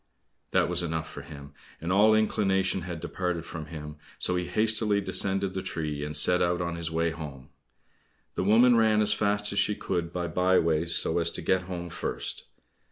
That was enough for him, and all inclination had departed from him, so he hastily descended the tree, and set out on his way home. The woman ran as fast as she could by by ways so as to get home first.